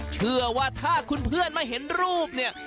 เชื่อว่าถ้าคุณเพื่อนมาเห็นรูปเนี่ย